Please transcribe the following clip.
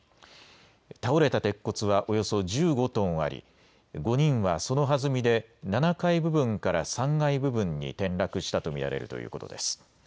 倒れた鉄骨はおよそ１５トンあり５人はそのはずみで７階部分から３階部分に転落したと見られるということです。